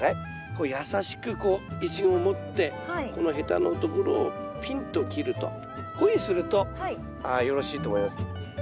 こう優しくこうイチゴを持ってこのヘタのところをピンと切るとこういうふうにするとよろしいと思います。